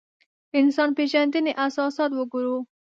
انسان پېژندنې اساسات وګورو.